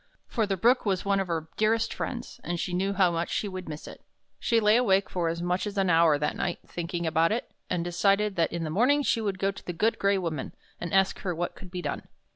For the Brook was one of her dearest friends, and she knew how much she would miss it. She lay awake for as much as an hour that night, thinking about it, and decided that in the morning she would go to the Good Gray Woman, and ask her what could be done.